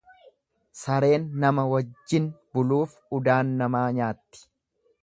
Sareen nama wajjin buluuf udaan namaa nyaatti.